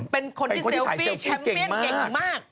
เป็นคนที่เซลฟี่แชมป์เปียนเก่งมาก